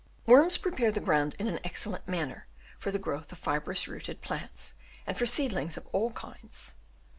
Worms prepare the ground in an excellent manner for the growth of fibrous rooted plants and for seedlings of all kinds.